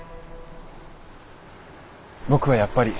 僕はやっぱり。